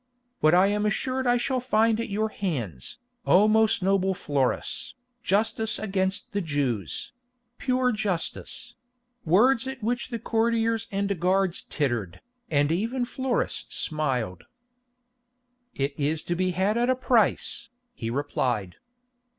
"What I am assured I shall find at your hands, O most noble Florus, justice against the Jews—pure justice"; words at which the courtiers and guards tittered, and even Florus smiled. "It is to be had at a price," he replied.